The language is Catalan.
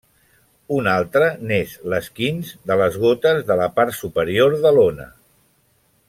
Una altra n'és l'esquinç de les gotes de la part superior de l'ona.